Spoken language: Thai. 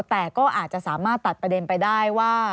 แต่ก็อาจจะสามารถตัดประเด็นไปได้ว่า